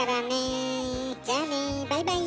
じゃあねバイバイ。